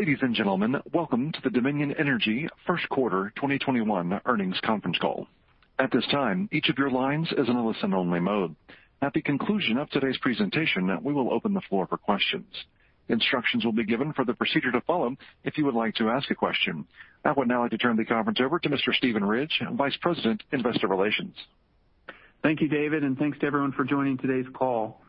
Ladies and gentlemen, welcome to the Dominion Energy first quarter 2021 earnings conference call. At this time, each of your lines is in a listen-only mode At the conclusion of today's presentation, we will open the floor for questions. Instructions will be given for the procedure to follow if you would like to ask a question. I would now like to turn the conference over to Mr. Steven Ridge, Vice President, Investor Relations. Thank you, David, and thanks to everyone for joining today's call.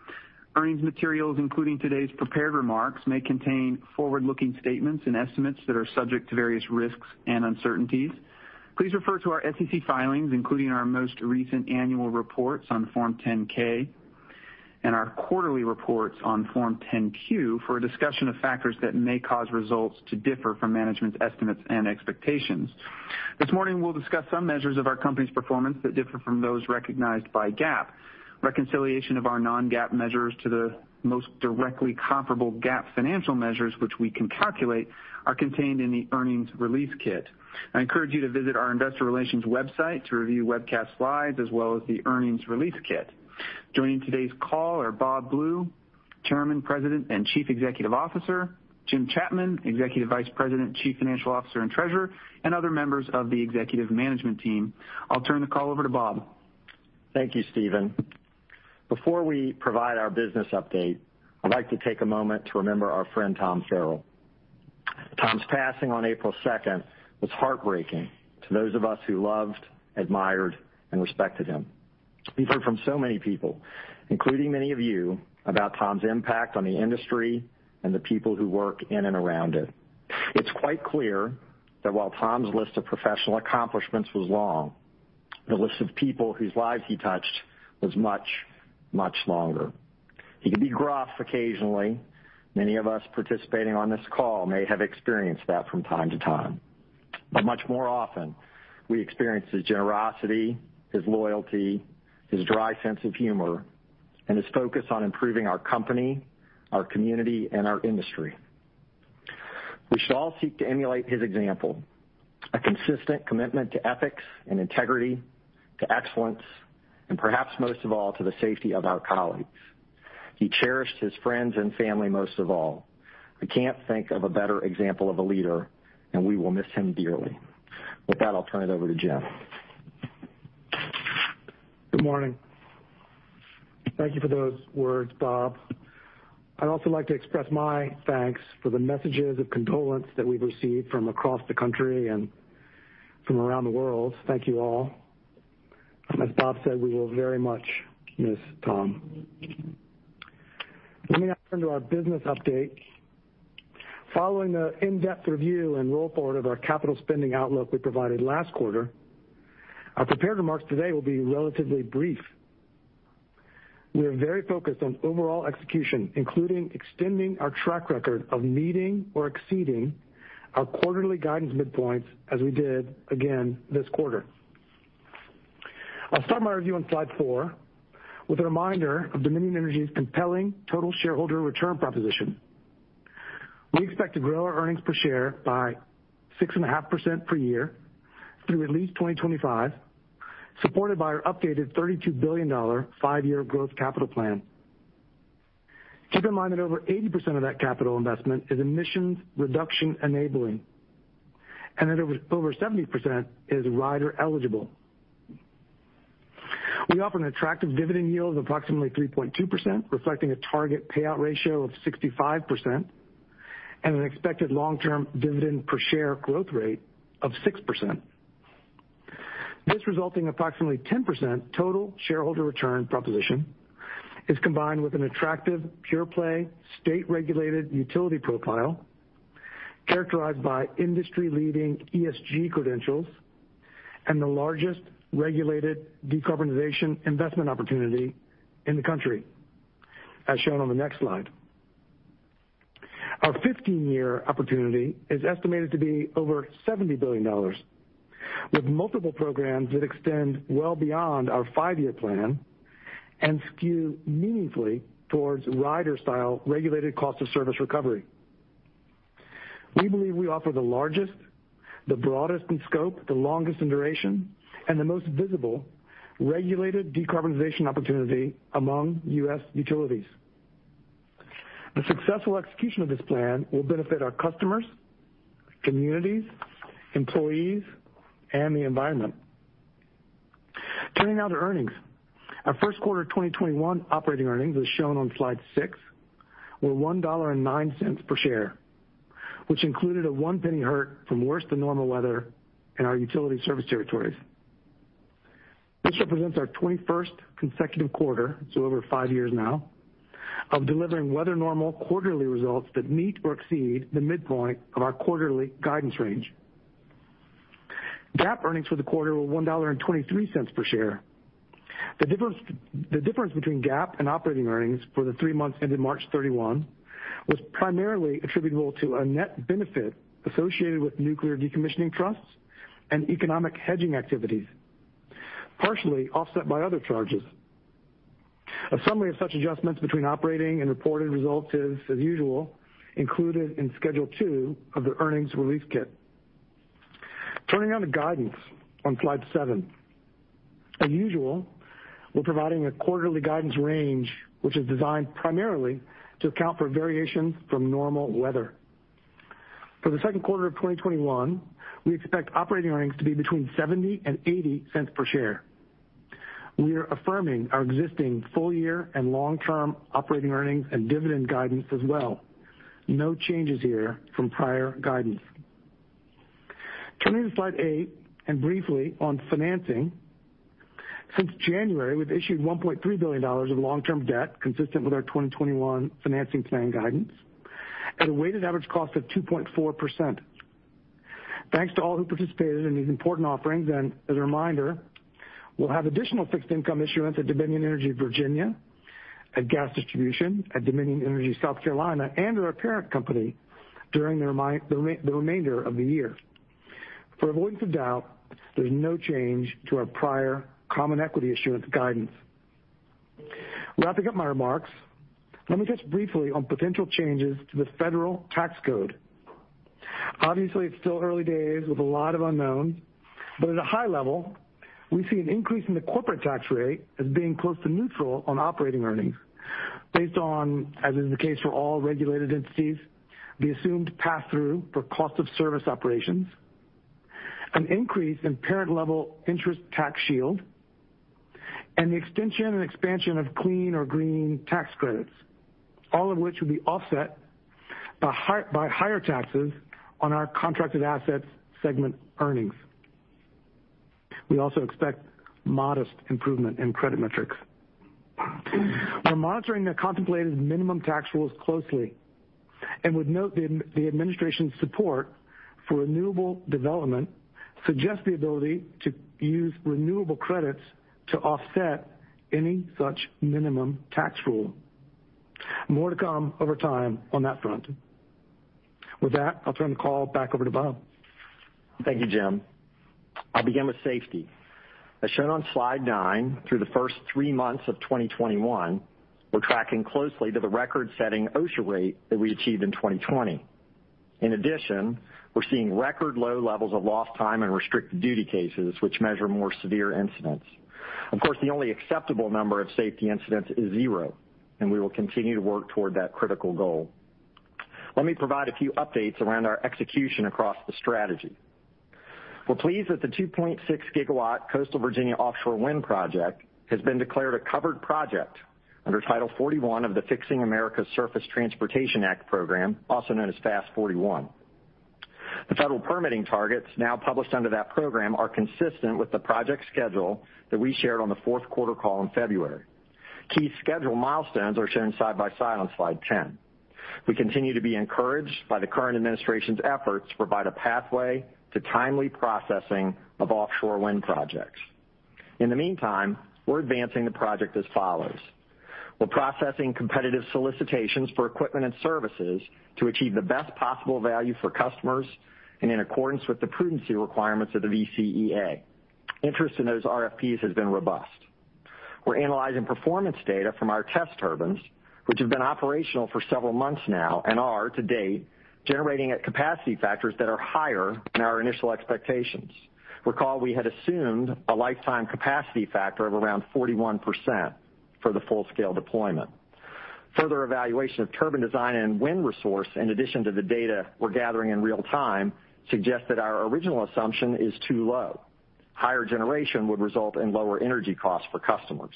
Earnings materials, including today's prepared remarks, may contain forward-looking statements and estimates that are subject to various risks and uncertainties. Please refer to our SEC filings, including our most recent annual reports on Form 10-K and our quarterly reports on Form 10-Q, for a discussion of factors that may cause results to differ from management's estimates and expectations. This morning, we'll discuss some measures of our company's performance that differ from those recognized by GAAP. Reconciliation of our non-GAAP measures to the most directly comparable GAAP financial measures, which we can calculate, are contained in the earnings release kit. I encourage you to visit our Investor Relations website to review webcast slides as well as the earnings release kit. Joining today's call are Bob Blue, Chairman, President, and Chief Executive Officer; Jim Chapman, Executive Vice President, Chief Financial Officer, and Treasurer; and other members of the executive management team. I'll turn the call over to Bob. Thank you, Steven. Before we provide our business update, I'd like to take a moment to remember our friend Tom Farrell. Tom's passing on April 2nd was heartbreaking to those of us who loved, admired, and respected him. We've heard from so many people, including many of you, about Tom's impact on the industry and the people who work in and around it. It's quite clear that while Tom's list of professional accomplishments was long, the list of people whose lives he touched was much, much longer. He could be gruff occasionally. Many of us participating on this call may have experienced that from time to time. Much more often, we experienced his generosity, his loyalty, his dry sense of humor, and his focus on improving our company, our community, and our industry. We should all seek to emulate his example, a consistent commitment to ethics and integrity, to excellence, and perhaps most of all, to the safety of our colleagues. He cherished his friends and family most of all. I can't think of a better example of a leader, and we will miss him dearly. With that, I'll turn it over to Jim. Good morning. Thank you for those words, Bob. I'd also like to express my thanks for the messages of condolence that we've received from across the country and from around the world. Thank you all. As Bob said, we will very much miss Tom. Let me now turn to our business update. Following the in-depth review and roll forward of our capital spending outlook we provided last quarter, our prepared remarks today will be relatively brief. We are very focused on overall execution, including extending our track record of meeting or exceeding our quarterly guidance midpoints, as we did again this quarter. I'll start my review on slide four with a reminder of Dominion Energy's compelling total shareholder return proposition. We expect to grow our earnings per share by 6.5% per year through at least 2025, supported by our updated $32 billion five-year growth capital plan. Keep in mind that over 80% of that capital investment is emissions reduction enabling, and that over 70% is rider-eligible. We offer an attractive dividend yield of approximately 3.2%, reflecting a target payout ratio of 65%, and an expected long-term dividend per share growth rate of 6%. This resulting approximately 10% total shareholder return proposition is combined with an attractive pure-play, state-regulated utility profile characterized by industry-leading ESG credentials and the largest regulated decarbonization investment opportunity in the country, as shown on the next slide. Our 15-year opportunity is estimated to be over $70 billion, with multiple programs that extend well beyond our five-year plan and skew meaningfully towards rider-style regulated cost of service recovery. We believe we offer the largest, the broadest in scope, the longest in duration, and the most visible regulated decarbonization opportunity among U.S. utilities. The successful execution of this plan will benefit our customers, communities, employees, and the environment. Turning now to earnings. Our first quarter 2021 operating earnings, as shown on slide six, were $1.09 per share, which included a one penny hurt from worse-than-normal weather in our utility service territories. This represents our 21st consecutive quarter, so over five years now, of delivering weather normal quarterly results that meet or exceed the midpoint of our quarterly guidance range. GAAP earnings for the quarter were $1.23 per share. The difference between GAAP and operating earnings for the three months ended March 31 was primarily attributable to a net benefit associated with nuclear decommissioning trusts and economic hedging activities, partially offset by other charges. A summary of such adjustments between operating and reported results is, as usual, included in Schedule 2 of the earnings release kit. Turning now to guidance on slide seven. As usual, we're providing a quarterly guidance range which is designed primarily to account for variations from normal weather. For the second quarter of 2021, we expect operating earnings to be between $0.70 and $0.80 per share. We are affirming our existing full year and long-term operating earnings and dividend guidance as well. No changes here from prior guidance. Turning to slide eight, briefly on financing. Since January, we've issued $1.3 billion of long-term debt consistent with our 2021 financing plan guidance at a weighted average cost of 2.4%. Thanks to all who participated in these important offerings. As a reminder, we'll have additional fixed income issuance at Dominion Energy Virginia, at gas distribution, at Dominion Energy South Carolina, and our parent company during the remainder of the year. For avoidance of doubt, there's no change to our prior common equity issuance guidance. Wrapping up my remarks, let me touch briefly on potential changes to the federal tax code. It's still early days with a lot of unknowns, but at a high level, we see an increase in the corporate tax rate as being close to neutral on operating earnings based on, as is the case for all regulated entities, the assumed pass-through for cost of service operations, an increase in parent-level interest tax shield, and the extension and expansion of clean or green tax credits. All of which will be offset by higher taxes on our contracted assets segment earnings. We also expect modest improvement in credit metrics. We're monitoring the contemplated minimum tax rules closely and would note the administration's support for renewable development suggests the ability to use renewable credits to offset any such minimum tax rule. More to come over time on that front. With that, I'll turn the call back over to Bob. Thank you, Jim. I'll begin with safety. As shown on slide nine, through the first three months of 2021, we're tracking closely to the record-setting OSHA rate that we achieved in 2020. In addition, we're seeing record low levels of lost time and restricted duty cases, which measure more severe incidents. Of course, the only acceptable number of safety incidents is zero, and we will continue to work toward that critical goal. Let me provide a few updates around our execution across the strategy. We're pleased that the 2.6 GW Coastal Virginia Offshore Wind project has been declared a covered project under Title 41 of the Fixing America's Surface Transportation Act program, also known as FAST-41. The federal permitting targets now published under that program are consistent with the project schedule that we shared on the fourth quarter call in February. Key schedule milestones are shown side by side on slide 10. We continue to be encouraged by the current administration's efforts to provide a pathway to timely processing of offshore wind projects. In the meantime, we're advancing the project as follows. We're processing competitive solicitations for equipment and services to achieve the best possible value for customers and in accordance with the prudency requirements of the VCEA. Interest in those RFPs has been robust. We're analyzing performance data from our test turbines, which have been operational for several months now and are, to date, generating at capacity factors that are higher than our initial expectations. Recall, we had assumed a lifetime capacity factor of around 41% for the full-scale deployment. Further evaluation of turbine design and wind resource, in addition to the data we're gathering in real time, suggests that our original assumption is too low. Higher generation would result in lower energy costs for customers.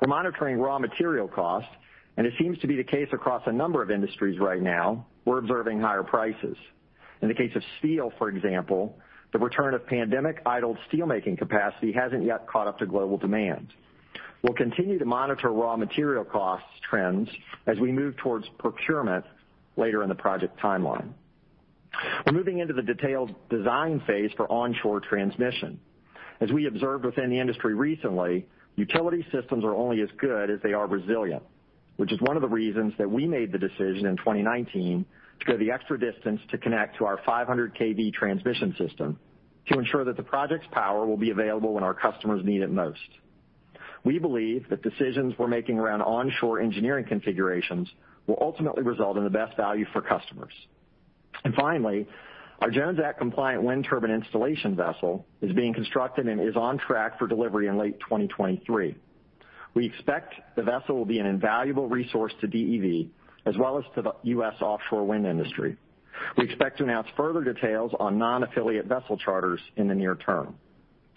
We're monitoring raw material costs, and it seems to be the case across a number of industries right now, we're observing higher prices. In the case of steel, for example, the return of pandemic-idled steelmaking capacity hasn't yet caught up to global demand. We'll continue to monitor raw material costs trends as we move towards procurement later in the project timeline. We're moving into the detailed design phase for onshore transmission. As we observed within the industry recently, utility systems are only as good as they are resilient, which is one of the reasons that we made the decision in 2019 to go the extra distance to connect to our 500 kV transmission system to ensure that the project's power will be available when our customers need it most. We believe the decisions we're making around onshore engineering configurations will ultimately result in the best value for customers. Finally, our Jones Act-compliant wind turbine installation vessel is being constructed and is on track for delivery in late 2023. We expect the vessel will be an invaluable resource to DEV as well as to the U.S. offshore wind industry. We expect to announce further details on non-affiliate vessel charters in the near term.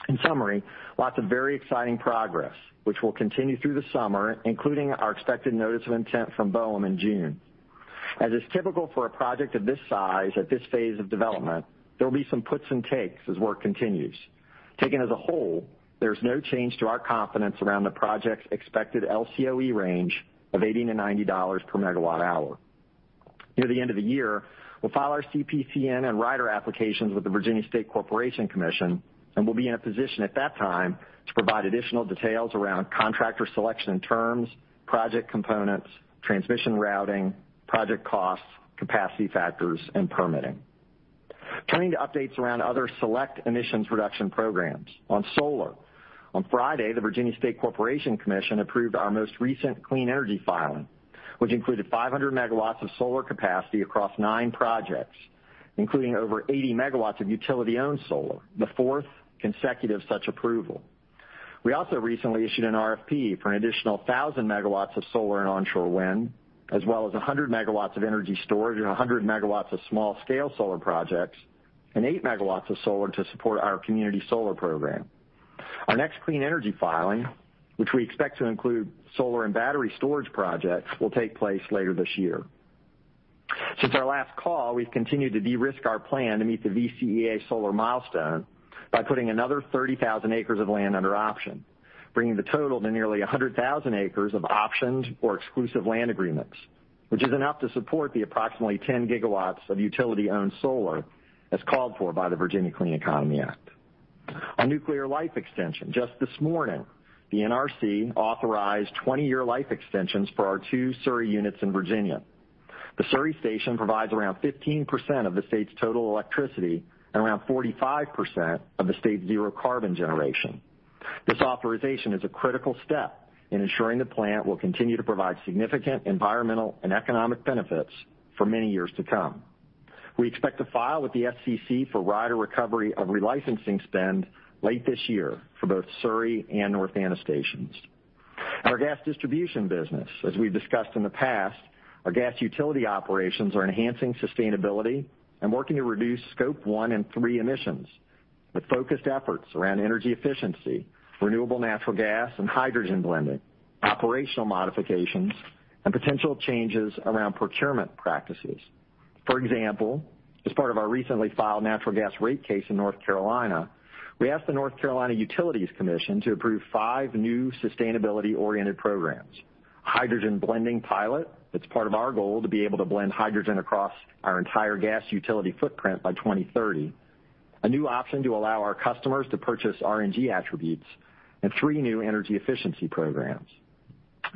In summary, lots of very exciting progress, which will continue through the summer, including our expected notice of intent from BOEM in June. As is typical for a project of this size at this phase of development, there will be some puts and takes as work continues. Taken as a whole, there's no change to our confidence around the project's expected LCOE range of $80-$90/MWh. Near the end of the year, we'll file our CPCN and rider applications with the Virginia State Corporation Commission, and we'll be in a position at that time to provide additional details around contractor selection and terms, project components, transmission routing, project costs, capacity factors, and permitting. Turning to updates around other select emissions reduction programs. On solar, on Friday, the Virginia State Corporation Commission approved our most recent clean energy filing, which included 500 MW of solar capacity across nine projects, including over 80 MW of utility-owned solar, the fourth consecutive such approval. We also recently issued an RFP for an additional 1,000 MW of solar and onshore wind, as well as 100 MW of energy storage and 100 MW of small-scale solar projects, and 8 MW of solar to support our community solar program. Our next clean energy filing, which we expect to include solar and battery storage projects, will take place later this year. Since our last call, we've continued to de-risk our plan to meet the VCEA solar milestone by putting another 30,000 acres of land under option, bringing the total to nearly 100,000 acres of options or exclusive land agreements, which is enough to support the approximately 10 GW of utility-owned solar as called for by the Virginia Clean Economy Act. On nuclear life extension, just this morning, the NRC authorized 20-year life extensions for our two Surry units in Virginia. The Surry station provides around 15% of the state's total electricity and around 45% of the state's zero carbon generation. This authorization is a critical step in ensuring the plant will continue to provide significant environmental and economic benefits for many years to come. We expect to file with the FCC for rider recovery of relicensing spend late this year for both Surry and North Anna stations. Our gas distribution business. As we've discussed in the past, our gas utility operations are enhancing sustainability and working to reduce scope one and three emissions, with focused efforts around energy efficiency, renewable natural gas and hydrogen blending, operational modifications, and potential changes around procurement practices. For example, as part of our recently filed natural gas rate case in North Carolina, we asked the North Carolina Utilities Commission to approve five new sustainability-oriented programs. Hydrogen blending pilot, that's part of our goal to be able to blend hydrogen across our entire gas utility footprint by 2030. A new option to allow our customers to purchase RNG attributes and three new energy efficiency programs.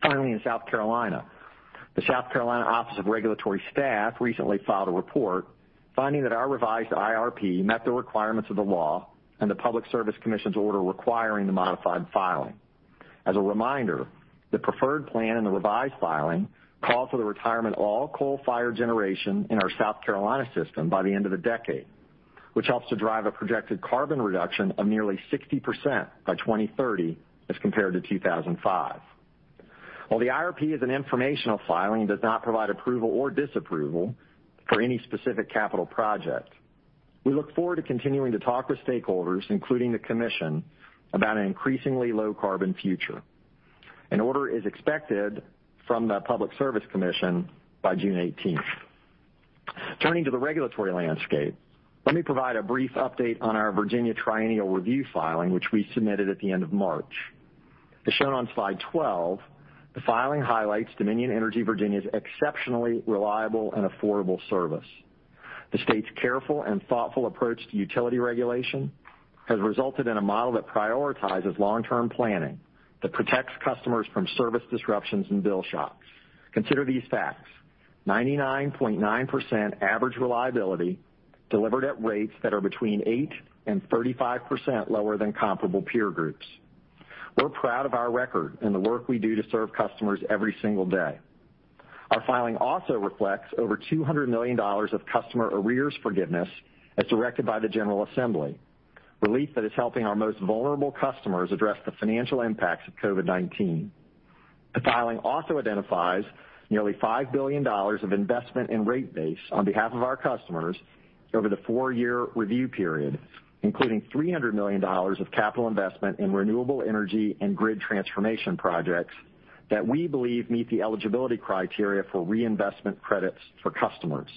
In South Carolina, the South Carolina Office of Regulatory Staff recently filed a report finding that our revised IRP met the requirements of the law and the Public Service Commission's order requiring the modified filing. As a reminder, the preferred plan in the revised filing calls for the retirement of all coal-fired generation in our South Carolina system by the end of the decade, which helps to drive a projected carbon reduction of nearly 60% by 2030 as compared to 2005. The IRP is an informational filing, it does not provide approval or disapproval for any specific capital project. We look forward to continuing to talk with stakeholders, including the commission, about an increasingly low-carbon future. An order is expected from the Public Service Commission by June 18th. Turning to the regulatory landscape, let me provide a brief update on our Virginia Triennial Review filing, which we submitted at the end of March. As shown on slide 12, the filing highlights Dominion Energy Virginia's exceptionally reliable and affordable service. The state's careful and thoughtful approach to utility regulation has resulted in a model that prioritizes long-term planning that protects customers from service disruptions and bill shocks. Consider these facts. 99.9% average reliability delivered at rates that are between 8% and 35% lower than comparable peer groups. We're proud of our record and the work we do to serve customers every single day. Our filing also reflects over $200 million of customer arrears forgiveness as directed by the General Assembly. Relief that is helping our most vulnerable customers address the financial impacts of COVID-19. The filing also identifies nearly $5 billion of investment in rate base on behalf of our customers over the four-year review period, including $300 million of capital investment in renewable energy and grid transformation projects that we believe meet the eligibility criteria for reinvestment credits for customers.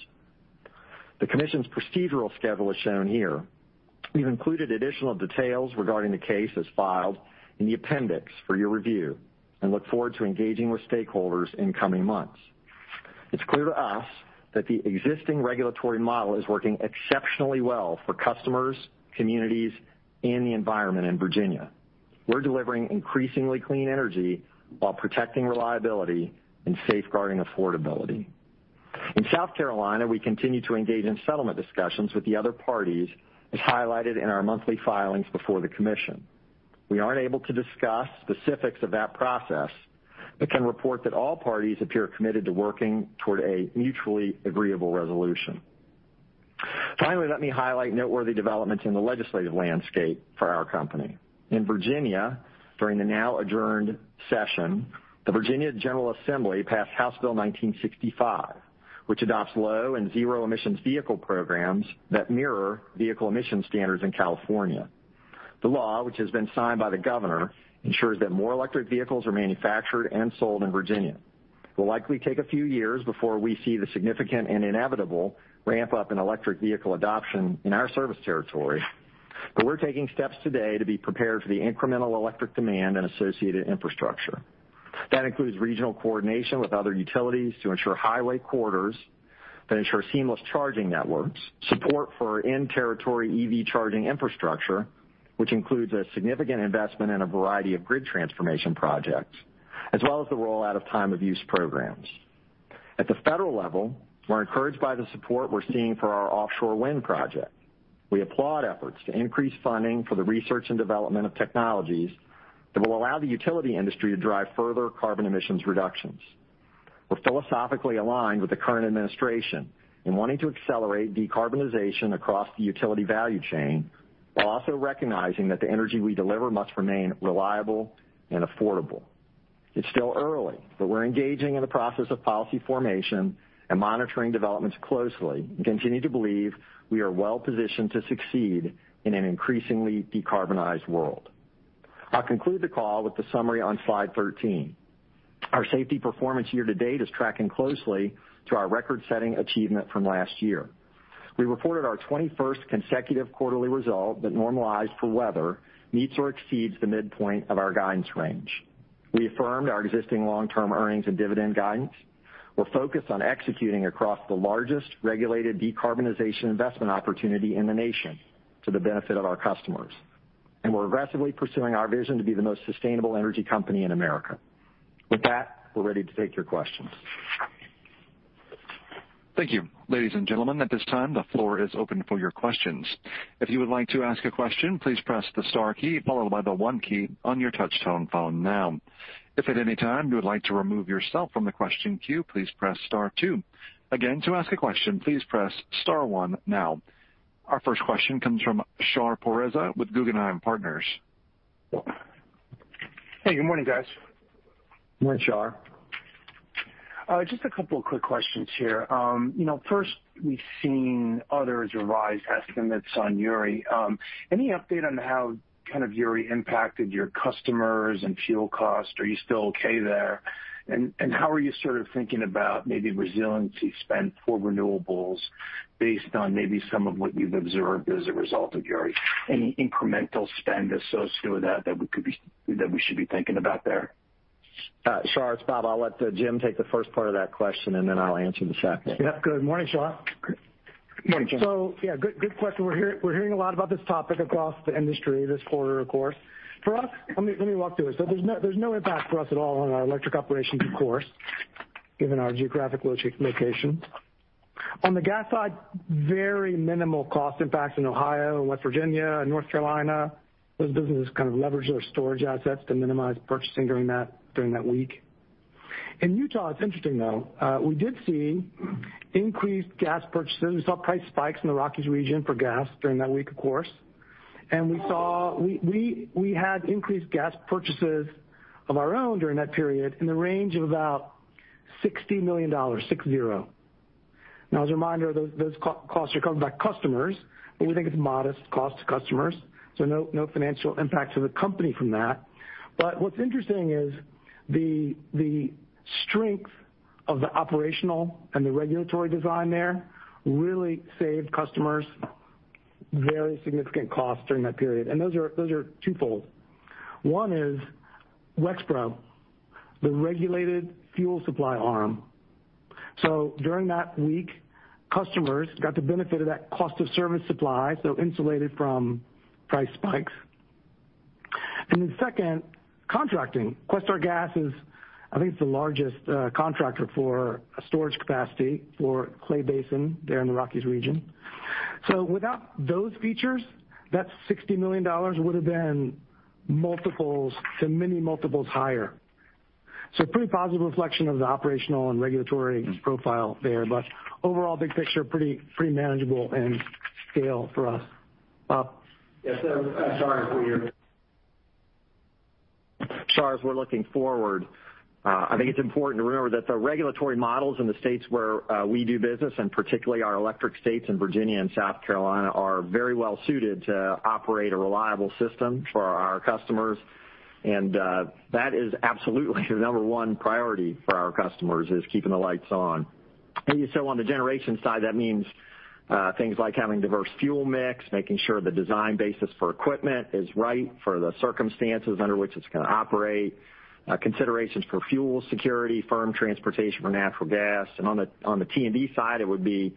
The commission's procedural schedule is shown here. We've included additional details regarding the case as filed in the appendix for your review and look forward to engaging with stakeholders in coming months. It's clear to us that the existing regulatory model is working exceptionally well for customers, communities, and the environment in Virginia. We're delivering increasingly clean energy while protecting reliability and safeguarding affordability. In South Carolina, we continue to engage in settlement discussions with the other parties as highlighted in our monthly filings before the commission. We aren't able to discuss specifics of that process, but can report that all parties appear committed to working toward a mutually agreeable resolution. Finally, let me highlight noteworthy developments in the legislative landscape for our company. In Virginia, during the now adjourned session, the Virginia General Assembly passed House Bill 1965, which adopts low and zero emissions vehicle programs that mirror vehicle emission standards in California. The law, which has been signed by the governor, ensures that more electric vehicles are manufactured and sold in Virginia. It will likely take a few years before we see the significant and inevitable ramp-up in electric vehicle adoption in our service territory, but we're taking steps today to be prepared for the incremental electric demand and associated infrastructure. That includes regional coordination with other utilities to ensure highway corridors that ensure seamless charging networks, support for in-territory EV charging infrastructure, which includes a significant investment in a variety of grid transformation projects, as well as the rollout of time-of-use programs. At the federal level, we're encouraged by the support we're seeing for our offshore wind project. We applaud efforts to increase funding for the research and development of technologies that will allow the utility industry to drive further carbon emissions reductions. We're philosophically aligned with the current administration in wanting to accelerate decarbonization across the utility value chain, while also recognizing that the energy we deliver must remain reliable and affordable. It's still early, but we're engaging in the process of policy formation and monitoring developments closely, and continue to believe we are well-positioned to succeed in an increasingly decarbonized world. I'll conclude the call with the summary on slide 13. Our safety performance year-to-date is tracking closely to our record-setting achievement from last year. We reported our 21st consecutive quarterly result that, normalized for weather, meets or exceeds the midpoint of our guidance range. We affirmed our existing long-term earnings and dividend guidance. We're focused on executing across the largest regulated decarbonization investment opportunity in the nation to the benefit of our customers. We're aggressively pursuing our vision to be the most sustainable energy company in America. With that, we're ready to take your questions. Thank you. Ladies and gentlemen, at this time, the floor is open for your questions. If you would like to ask a question, please press the star key followed by the one key on your touchtone phone now. If at any time you would like to remove yourself from the question queue, please press star two. Again to ask a question, please press star one now. Our first question comes from Shar Pourreza with Guggenheim Partners. Hey, good morning, guys. Morning, Shar. Just a couple of quick questions here. First, we've seen others revise estimates on Uri. Any update on how Uri impacted your customers and fuel costs? Are you still okay there? How are you sort of thinking about maybe resiliency spend for renewables based on maybe some of what you've observed as a result of Uri? Any incremental spend associated with that that we should be thinking about there? Shar, it's Bob. I'll let Jim take the first part of that question, and then I'll answer the second. Yep. Good morning, Shar. Good morning, Jim. Yeah, good question. We're hearing a lot about this topic across the industry this quarter, of course. For us, let me walk through it. There's no impact for us at all on our electric operations, of course, given our geographic location. On the gas side, very minimal cost impacts in Ohio and West Virginia and North Carolina. Those businesses kind of leveraged their storage assets to minimize purchasing during that week. In Utah, it's interesting, though. We did see increased gas purchases. We saw price spikes in the Rockies region for gas during that week, of course, and we had increased gas purchases of our own during that period in the range of about $60 million. Now, as a reminder, those costs are covered by customers, but we think it's modest cost to customers, so no financial impact to the company from that. What's interesting is the strength of the operational and the regulatory design there really saved customers very significant costs during that period. Those are twofold. One is Wexpro, the regulated fuel supply arm. During that week, customers got the benefit of that cost-of-service supply, so insulated from price spikes. Then second, contracting. Questar Gas is, I think, the largest contractor for storage capacity for Clay Basin there in the Rockies region. Without those features, that $60 million would've been multiples to many multiples higher. Pretty positive reflection of the operational and regulatory profile there. Overall, big picture, pretty manageable in scale for us. Bob? Shar, as we're looking forward, I think it's important to remember that the regulatory models in the states where we do business, and particularly our electric states in Virginia and South Carolina, are very well suited to operate a reliable system for our customers. That is absolutely the number one priority for our customers, is keeping the lights on. On the generation side, that means things like having diverse fuel mix, making sure the design basis for equipment is right for the circumstances under which it's going to operate, considerations for fuel security, firm transportation for natural gas. On the T&D side, it would be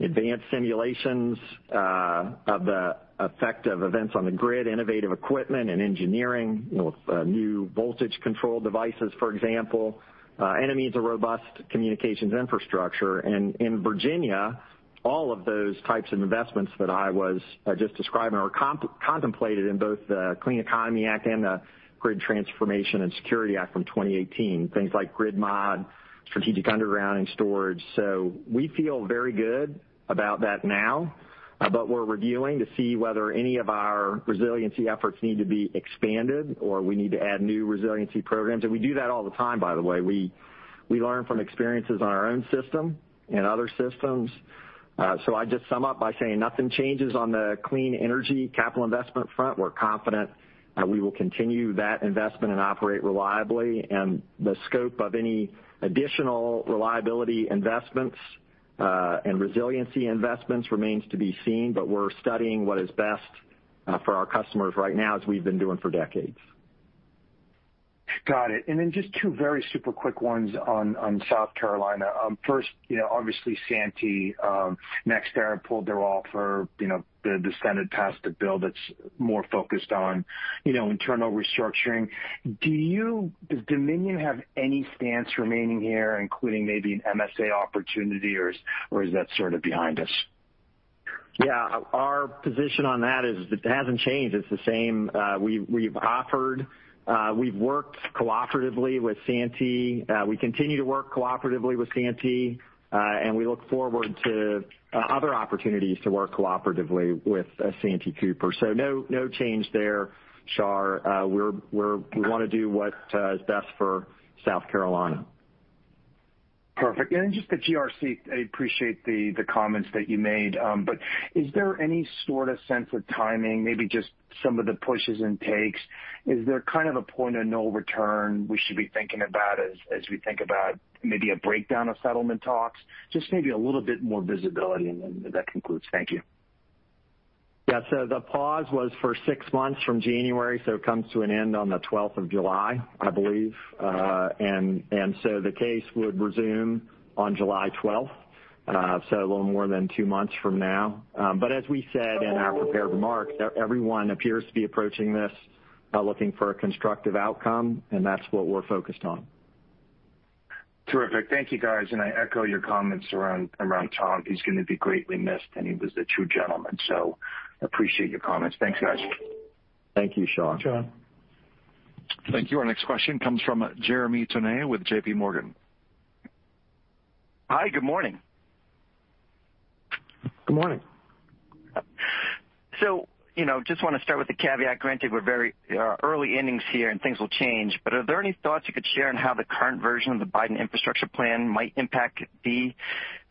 advanced simulations of the effect of events on the grid, innovative equipment and engineering with new voltage control devices, for example, and it means a robust communications infrastructure. In Virginia, all of those types of investments that I was just describing are contemplated in both the Clean Economy Act and the Grid Transformation and Security Act from 2018, things like grid mod, strategic underground and storage. We feel very good about that now, but we're reviewing to see whether any of our resiliency efforts need to be expanded or we need to add new resiliency programs. We do that all the time, by the way. We learn from experiences on our own system and other systems. I'd just sum up by saying nothing changes on the clean energy capital investment front. We're confident that we will continue that investment and operate reliably, and the scope of any additional reliability investments and resiliency investments remains to be seen. We're studying what is best for our customers right now, as we've been doing for decades. Got it. Just two very super quick ones on South Carolina. First, obviously Santee, NextEra pulled their offer. The Senate passed a bill that's more focused on internal restructuring. Does Dominion have any stance remaining here, including maybe an MSA opportunity, or is that sort of behind us? Yeah. Our position on that is it hasn't changed. It's the same. We've offered, we've worked cooperatively with Santee. We continue to work cooperatively with Santee, and we look forward to other opportunities to work cooperatively with Santee Cooper. No change there, Shar. We want to do what is best for South Carolina. Perfect. Just the GRC, I appreciate the comments that you made. Is there any sort of sense of timing, maybe just some of the pushes and takes? Is there kind of a point of no return we should be thinking about as we think about maybe a breakdown of settlement talks? Just maybe a little bit more visibility, and then that concludes. Thank you. Yeah. The pause was for six months from January, it comes to an end on the July 12th, I believe. The case would resume on July 12th, so a little more than two months from now. As we said in our prepared remarks, everyone appears to be approaching this looking for a constructive outcome, and that's what we're focused on. Terrific. Thank you, guys. I echo your comments around Tom. He's going to be greatly missed, and he was a true gentleman. Appreciate your comments. Thanks, guys. Thank you, Shar. Thank you. Our next question comes from Jeremy Tonet with JPMorgan. Hi, good morning. Good morning. Just want to start with the caveat. Granted, we're very early innings here and things will change, but are there any thoughts you could share on how the current version of the Biden infrastructure plan might impact D,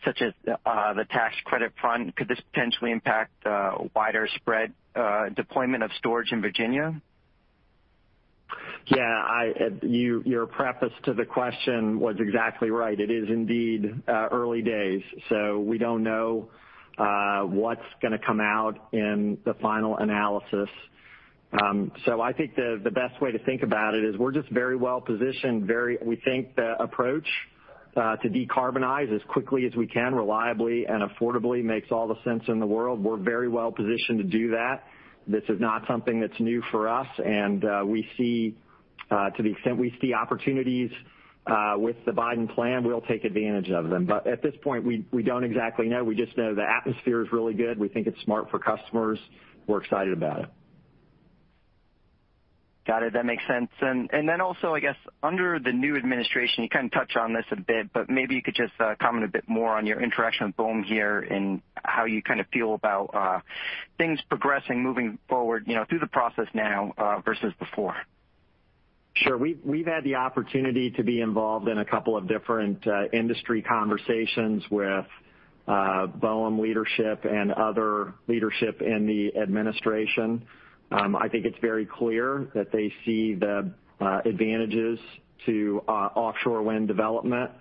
such as the tax credit fund? Could this potentially impact widespread deployment of storage in Virginia? Your preface to the question was exactly right. It is indeed early days, so we don't know what's going to come out in the final analysis. I think the best way to think about it is we're just very well-positioned. We think the approach to decarbonize as quickly as we can, reliably and affordably, makes all the sense in the world. We're very well-positioned to do that. This is not something that's new for us, and to the extent we see opportunities with the Biden plan, we'll take advantage of them. At this point, we don't exactly know. We just know the atmosphere is really good. We think it's smart for customers. We're excited about it. Got it. That makes sense. Under the new administration, you kind of touched on this a bit, but maybe you could just comment a bit more on your interaction with BOEM here and how you kind of feel about things progressing, moving forward through the process now versus before. Sure. We've had the opportunity to be involved in a couple of different industry conversations with BOEM leadership and other leadership in the administration. I think it's very clear that they see the advantages to offshore wind development.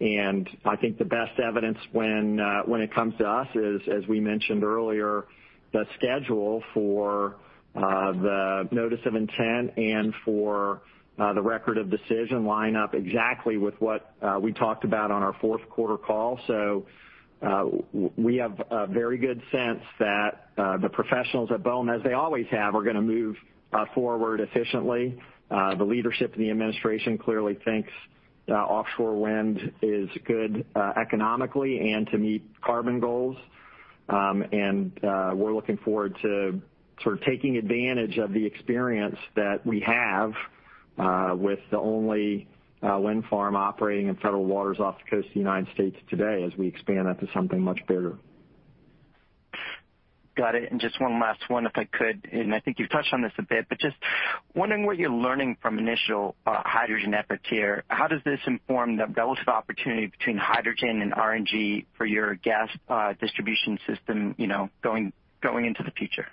I think the best evidence when it comes to us is, as we mentioned earlier, the schedule for the notice of intent and for the record of decision line up exactly with what we talked about on our fourth quarter call. We have a very good sense that the professionals at BOEM, as they always have, are going to move forward efficiently. The leadership in the administration clearly thinks offshore wind is good economically and to meet carbon goals. We're looking forward to sort of taking advantage of the experience that we have with the only wind farm operating in federal waters off the coast of the U.S. today as we expand that to something much bigger. Got it. Just one last one if I could, and I think you've touched on this a bit, but just wondering what you're learning from initial hydrogen efforts here. How does this inform the relative opportunity between hydrogen and RNG for your gas distribution system going into the future?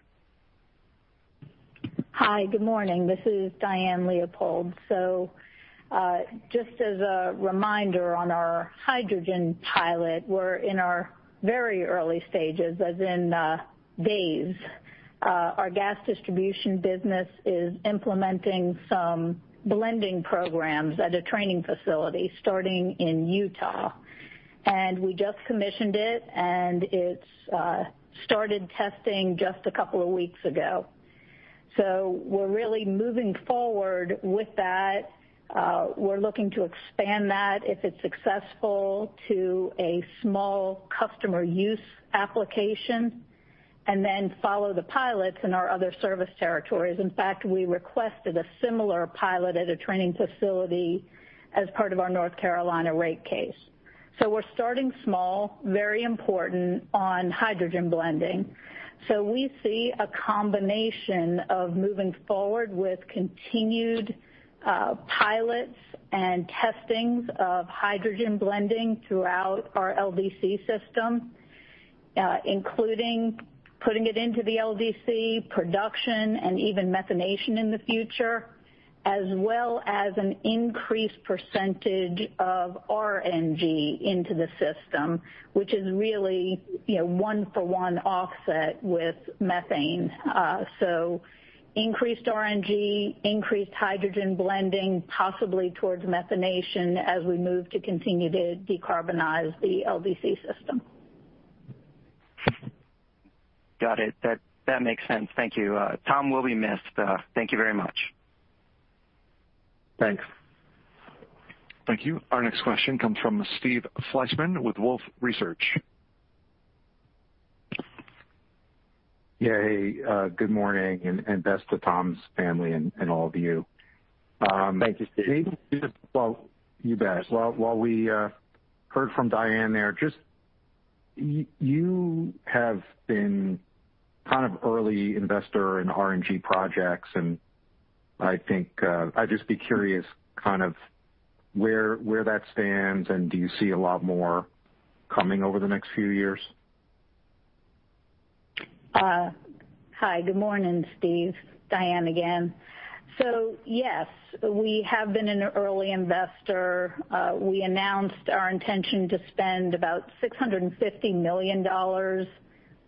Hi, good morning. This is Diane Leopold. Just as a reminder on our hydrogen pilot, we're in our very early stages, as in days. Our gas distribution business is implementing some blending programs at a training facility starting in Utah. We just commissioned it, and it's started testing just a couple of weeks ago. We're really moving forward with that. We're looking to expand that if it's successful to a small customer use application, follow the pilots in our other service territories. In fact, we requested a similar pilot at a training facility as part of our North Carolina rate case. We're starting small, very important on hydrogen blending. We see a combination of moving forward with continued pilots and testings of hydrogen blending throughout our LDC system including putting it into the LDC production and even methanation in the future, as well as an increased percentage of RNG into the system, which is really one for one offset with methane. Increased RNG, increased hydrogen blending, possibly towards methanation as we move to continue to decarbonize the LDC system. Got it. That makes sense. Thank you. Tom will be missed. Thank you very much. Thanks. Thank you. Our next question comes from Steve Fleishman with Wolfe Research. Yeah. Hey, good morning and best to Tom's family and all of you. Thank you, Steve. Well, you bet. While we heard from Diane there, you have been kind of early investor in RNG projects, and I'd just be curious kind of where that stands and do you see a lot more coming over the next few years? Hi. Good morning, Steve. Diane again. Yes, we have been an early investor. We announced our intention to spend about $650 million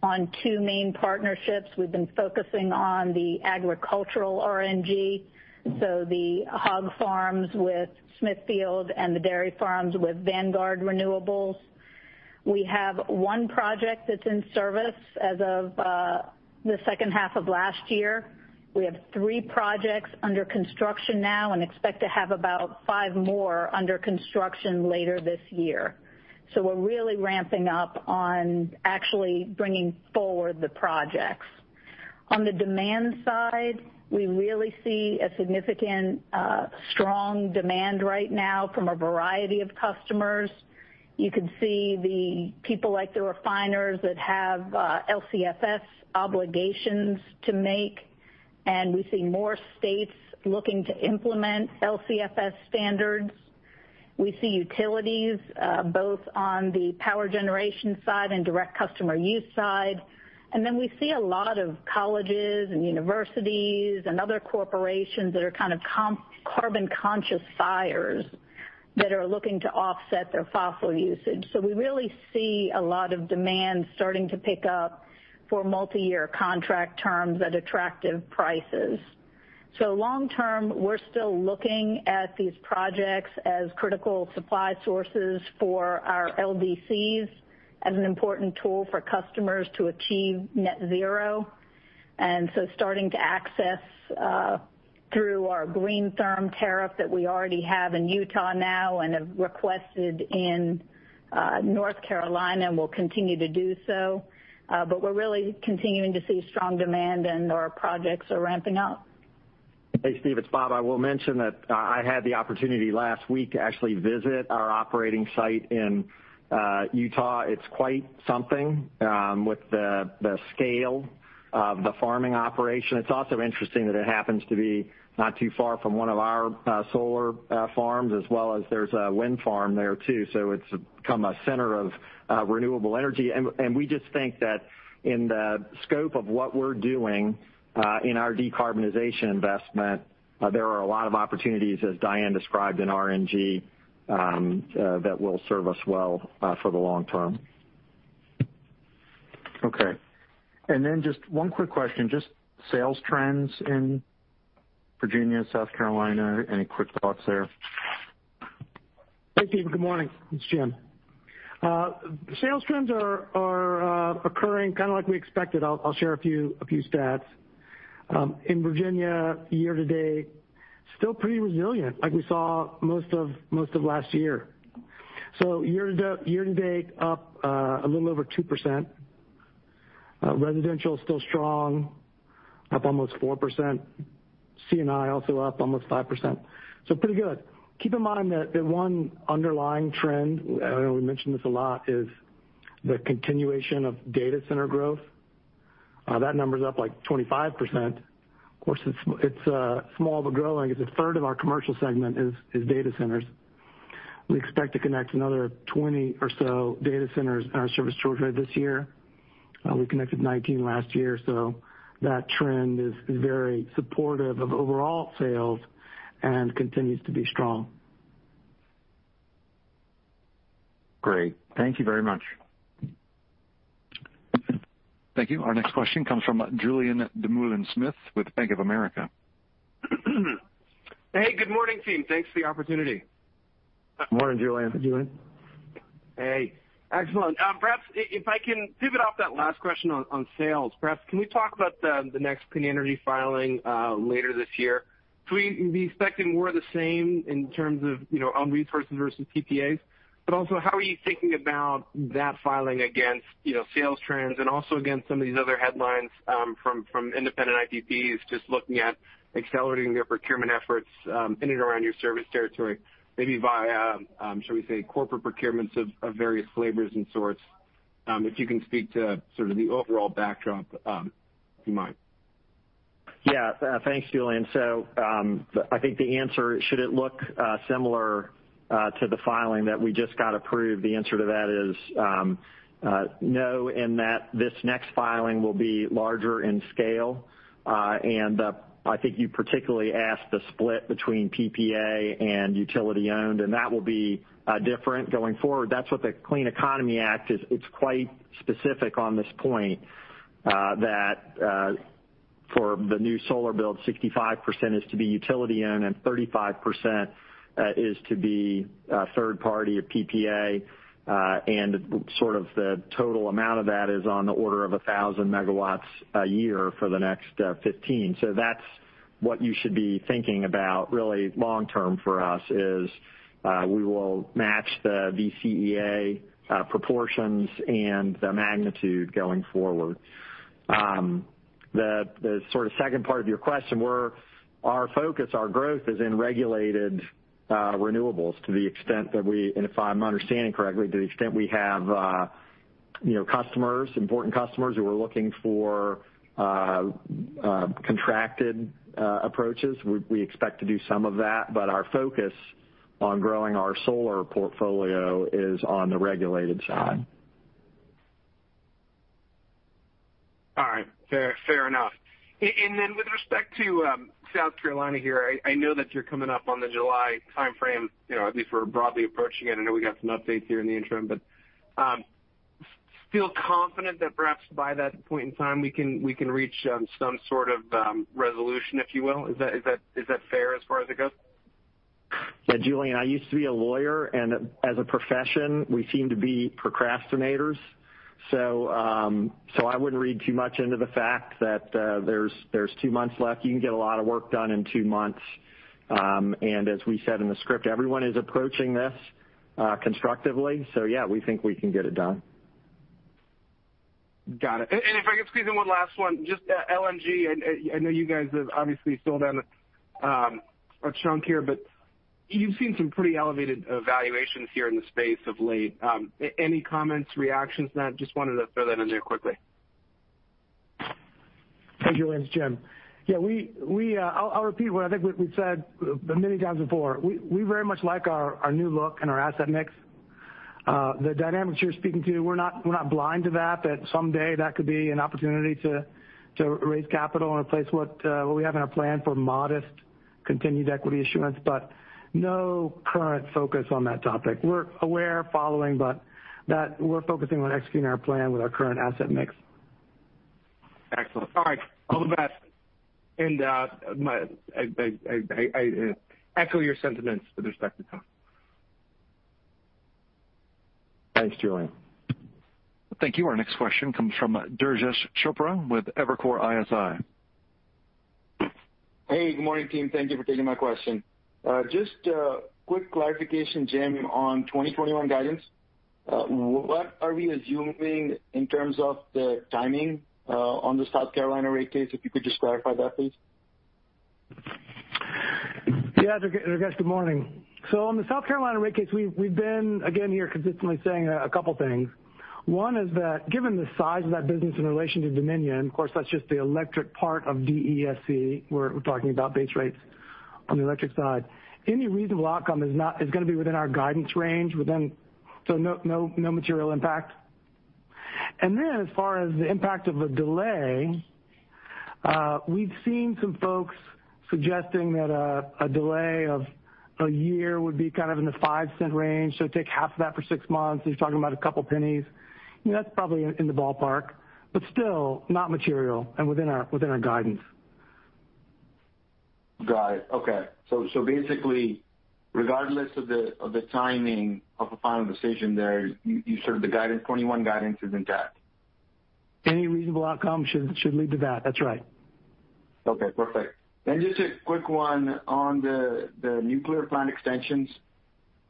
on two main partnerships. We've been focusing on the agricultural RNG, so the hog farms with Smithfield and the dairy farms with Vanguard Renewables. We have one project that's in service as of the second half of last year. We have three projects under construction now and expect to have about five more under construction later this year. We're really ramping up on actually bringing forward the projects. On the demand side, we really see a significant, strong demand right now from a variety of customers. You can see the people like the refiners that have LCFS obligations to make, and we see more states looking to implement LCFS standards. We see utilities both on the power generation side and direct customer use side. We see a lot of colleges and universities and other corporations that are kind of carbon-conscious buyers that are looking to offset their fossil usage. We really see a lot of demand starting to pick up for multi-year contract terms at attractive prices. Long term, we're still looking at these projects as critical supply sources for our LDCs as an important tool for customers to achieve net zero. Starting to access through our GreenTherm tariff that we already have in Utah now and have requested in North Carolina and will continue to do so. We're really continuing to see strong demand and our projects are ramping up. Hey, Steve, it's Bob. I will mention that I had the opportunity last week to actually visit our operating site in Utah. It's quite something with the scale of the farming operation. It's also interesting that it happens to be not too far from one of our solar farms as well as there's a wind farm there too. It's become a center of renewable energy. We just think that in the scope of what we're doing in our decarbonization investment, there are a lot of opportunities, as Diane described in RNG, that will serve us well for the long term. Okay. Just one quick question, just sales trends in Virginia, South Carolina, any quick thoughts there? Hey, Steve. Good morning. It's Jim. Sales trends are occurring kind of like we expected. I'll share a few stats. In Virginia, year to date, still pretty resilient like we saw most of last year. Year to date, up a little over 2%. Residential is still strong, up almost 4%. C&I also up almost 5%. Pretty good. Keep in mind that the one underlying trend, I know we mentioned this a lot, is the continuation of data center growth. That number's up like 25%. Of course, it's small but growing. A third of our commercial segment is data centers. We expect to connect another 20 or so data centers in our service territory this year. We connected 19 last year, that trend is very supportive of overall sales and continues to be strong. Great. Thank you very much. Thank you. Our next question comes from Julien Dumoulin-Smith with Bank of America. Hey, good morning team. Thanks for the opportunity. Morning, Julien. Julien. Hey. Excellent. Perhaps if I can pivot off that last question on sales. Can we talk about the next clean energy filing later this year? Should we be expecting more of the same in terms of own resources versus PPAs? Also how are you thinking about that filing against sales trends and also against some of these other headlines from independent IPPs just looking at accelerating their procurement efforts in and around your service territory, maybe via, shall we say, corporate procurements of various flavors and sorts? If you can speak to sort of the overall backdrop, if you might. Yeah. Thanks, Julien. I think the answer, should it look similar to the filing that we just got approved, the answer to that is no, in that this next filing will be larger in scale. I think you particularly asked the split between PPA and utility-owned, and that will be different going forward. That's what the Clean Economy Act is. It's quite specific on this point that for the new solar build, 65% is to be utility-owned and 35% is to be a third party, a PPA, and sort of the total amount of that is on the order of 1,000 MW a year for the next 15. That's what you should be thinking about really long term for us is, we will match the VCEA proportions and the magnitude going forward. The sort of second part of your question, our focus, our growth is in regulated renewables to the extent that we, and if I'm understanding correctly, to the extent we have customers, important customers who are looking for contracted approaches. We expect to do some of that, but our focus on growing our solar portfolio is on the regulated side. All right. Fair enough. With respect to South Carolina here, I know that you're coming up on the July timeframe, at least we're broadly approaching it. I know we got some updates here in the interim, still confident that perhaps by that point in time, we can reach some sort of resolution, if you will. Is that fair as far as it goes? Yeah, Julien, I used to be a lawyer, and as a profession, we seem to be procrastinators, so I wouldn't read too much into the fact that there's two months left. You can get a lot of work done in two months. As we said in the script, everyone is approaching this constructively, so yeah, we think we can get it done. Got it. If I could squeeze in one last one, just LNG, I know you guys have obviously sold down a chunk here, but you've seen some pretty elevated evaluations here in the space of late. Any comments, reactions on that? Just wanted to throw that in there quickly. Hey, Julien. It's Jim. Yeah, I'll repeat what I think we've said many times before. We very much like our new look and our asset mix. The dynamics you're speaking to, we're not blind to that someday that could be an opportunity to raise capital and replace what we have in our plan for modest continued equity issuance, but no current focus on that topic. We're aware, following, but we're focusing on executing our plan with our current asset mix. Excellent. All right. All the best, and I echo your sentiments with respect to Tom. Thanks, Julien. Thank you. Our next question comes from Durgesh Chopra with Evercore ISI. Hey, good morning, team. Thank you for taking my question. Just a quick clarification, Jim, on 2021 guidance. What are we assuming in terms of the timing on the South Carolina rate case? If you could just clarify that, please. Durgesh. Good morning. On the South Carolina rate case, we've been, again, here consistently saying a couple things. One is that given the size of that business in relation to Dominion, of course, that's just the electric part of DESC. We're talking about base rates on the electric side. Any reasonable outcome is going to be within our guidance range, so no material impact. As far as the impact of a delay, we've seen some folks suggesting that a delay of a year would be kind of in the $0.05 range. Take half of that for six months, you're talking about a couple pennies. That's probably in the ballpark, but still not material and within our guidance. Got it. Okay. Basically, regardless of the timing of a final decision there, the 2021 guidance is intact. Any reasonable outcome should lead to that. That's right. Okay, perfect. Just a quick one on the nuclear plant extensions.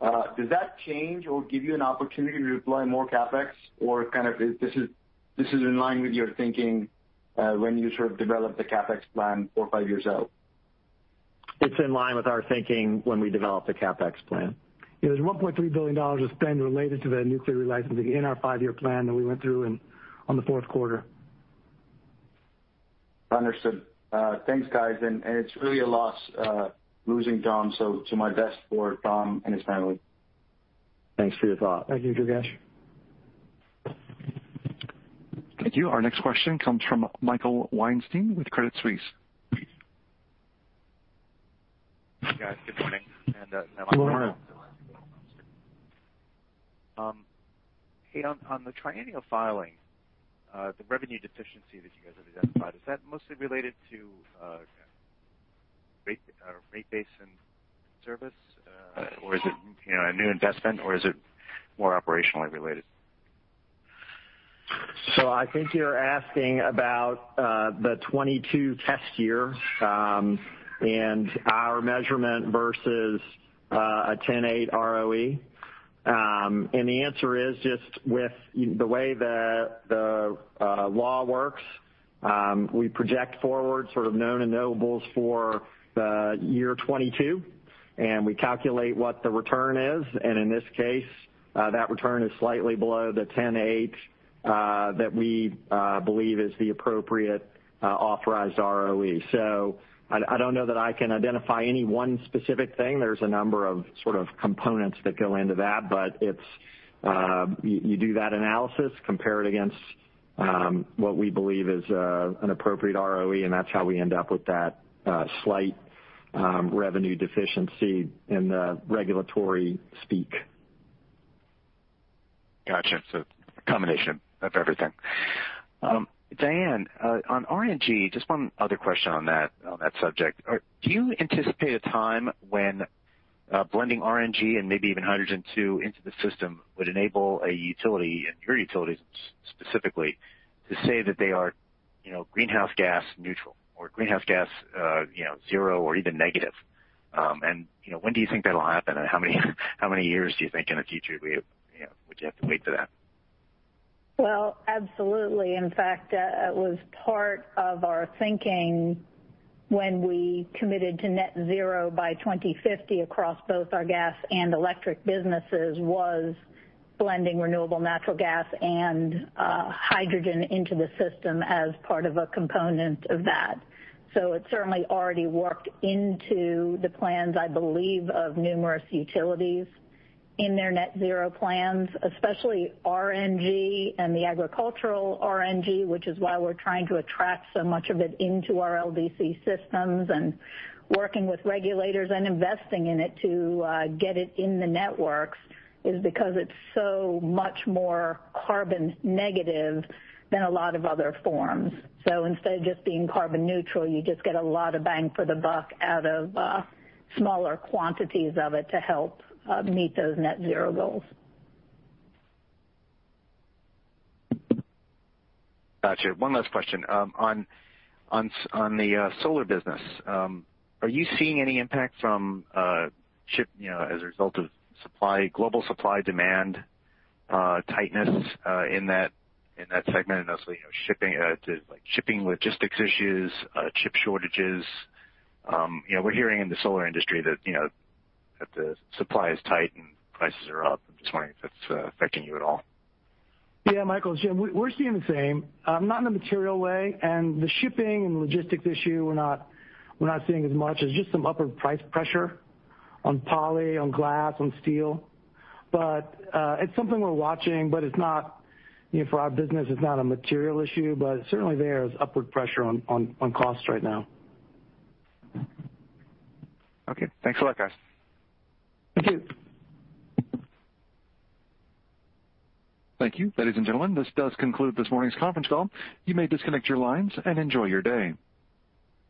Does that change or give you an opportunity to deploy more CapEx, or kind of this is in line with your thinking when you sort of develop the CapEx plan four or five years out? It's in line with our thinking when we develop the CapEx plan. There's $1.3 billion of spend related to the nuclear licensing in our five-year plan that we went through on the fourth quarter. Understood. Thanks, guys. It's really a loss losing Tom, so to my best for Tom and his family. Thanks for your thoughts Thank you, Durgesh. Thank you. Our next question comes from Michael Weinstein with Credit Suisse. Guys, good morning. Good morning. Hey, on the triennial filing, the revenue deficiency that you guys have identified, is that mostly related to rate base in service? Or is it a new investment or is it more operationally related? I think you're asking about the 2022 test year, and our measurement versus a 10.8% ROE. The answer is just with the way the law works, we project forward sort of known and knowables for the year 2022, and we calculate what the return is. In this case, that return is slightly below the 10.8% that we believe is the appropriate authorized ROE. I don't know that I can identify any one specific thing. There's a number of sort of components that go into that, but you do that analysis, compare it against what we believe is an appropriate ROE, and that's how we end up with that slight revenue deficiency in the regulatory speak. Got you. A combination of everything. Diane, on RNG, just one other question on that subject. Do you anticipate a time when blending RNG and maybe even hydrogen too into the system would enable a utility, and your utility specifically, to say that they are greenhouse gas neutral or greenhouse gas zero or even negative? When do you think that'll happen? How many years do you think in the future would you have to wait for that? Well, absolutely. In fact, it was part of our thinking when we committed to net zero by 2050 across both our gas and electric businesses, was blending renewable natural gas and hydrogen into the system as part of a component of that. It certainly already worked into the plans, I believe, of numerous utilities in their net zero plans, especially RNG and the agricultural RNG, which is why we're trying to attract so much of it into our LDC systems and working with regulators and investing in it to get it in the networks is because it's so much more carbon negative than a lot of other forms. Instead of just being carbon neutral, you just get a lot of bang for the buck out of smaller quantities of it to help meet those net zero goals. Got you. One last question. On the solar business, are you seeing any impact as a result of global supply-demand tightness in that segment, and also shipping logistics issues, chip shortages? We're hearing in the solar industry that the supply is tight and prices are up. I'm just wondering if that's affecting you at all. Yeah, Michael, we're seeing the same, not in a material way. The shipping and logistics issue, we're not seeing as much. It's just some upward price pressure on poly, on glass, on steel. It's something we're watching, but for our business, it's not a material issue. Certainly, there is upward pressure on costs right now. Okay. Thanks a lot, guys. Thank you. Thank you. Ladies and gentlemen, this does conclude this morning's conference call. You may disconnect your lines and enjoy your day.